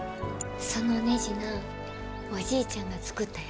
そのねじなおじいちゃんが作ったんやで。